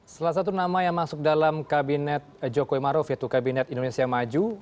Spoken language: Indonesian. salah satu nama yang masuk dalam kabinet jokowi maruf yaitu kabinet indonesia maju